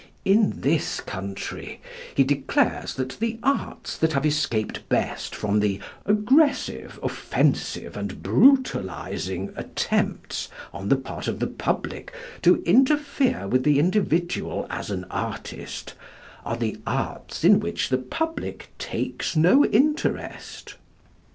In this country, he declares that the arts that have escaped best from the "aggressive, offensive and brutalising" attempts on the part of the public to interfere with the individual as an artist, are the arts in which the public takes no interest.